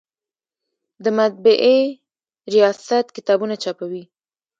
د مطبعې ریاست کتابونه چاپوي؟